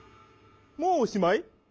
もうおしまい？